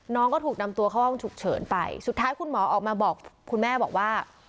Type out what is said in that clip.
ก็ถูกนำตัวเข้าห้องฉุกเฉินไปสุดท้ายคุณหมอออกมาบอกคุณแม่บอกว่า